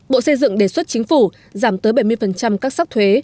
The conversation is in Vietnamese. bộ xây dựng đề xuất chính phủ giảm tới bảy mươi các sắc thuế